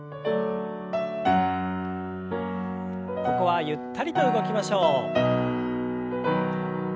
ここはゆったりと動きましょう。